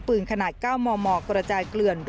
วันที่สุด